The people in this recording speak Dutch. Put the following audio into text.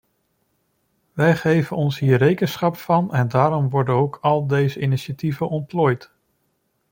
Wij geven ons hier rekenschap van en daarom worden ook al deze initiatieven ontplooid.